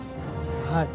はい。